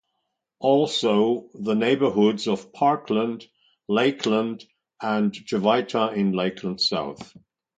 Also, the neighborhoods of Parkland, Lakeland, and Jovita in Lakeland South.